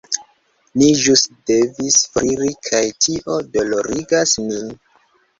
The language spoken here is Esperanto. Ni ĵus devis foriri kaj tio dolorigas nin.